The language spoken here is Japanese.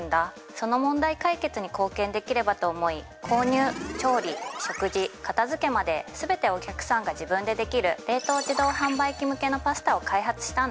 その問題解決に貢献できればと思いまですべてお客さんが自分でできる冷凍自動販売機向けのパスタを開発したんだ